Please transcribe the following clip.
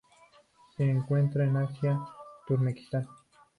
Se encuentran en Asia: Turkmenistán.